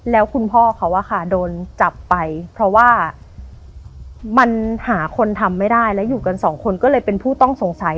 แล้วคุณพ่อเขาอะค่ะโดนจับไปเพราะว่ามันหาคนทำไม่ได้แล้วอยู่กันสองคนก็เลยเป็นผู้ต้องสงสัย